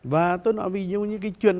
và tôi nói về những cái chuyện